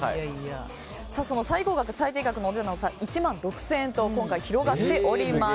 その最高額、最低額のお値段の差は１万６０００円と差が広がっています。